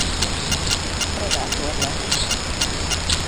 Predator lett.